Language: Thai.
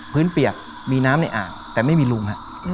เปียกมีน้ำในอ่างแต่ไม่มีลุงฮะ